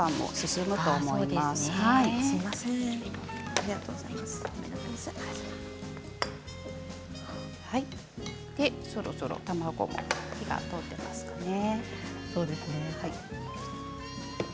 そろそろ卵も火が通っていますかね。